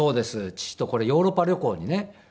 父とこれヨーロッパ旅行にね